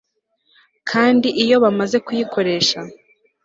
Kandi iyo bamaze kuyikoresha